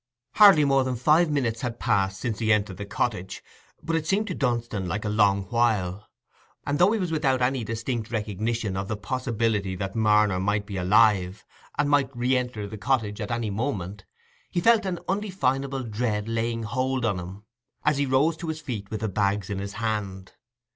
Hardly more than five minutes had passed since he entered the cottage, but it seemed to Dunstan like a long while; and though he was without any distinct recognition of the possibility that Marner might be alive, and might re enter the cottage at any moment, he felt an undefinable dread laying hold on him, as he rose to his feet with the bags in his hand.